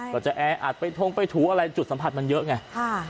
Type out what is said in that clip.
ก็จะแออัดไปทงไปถูอะไรจุดสัมผัสมันเยอะไง